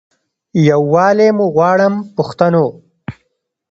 یووالی مو غواړم پښتنو.